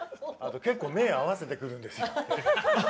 結構、目合わせてくるんですよ。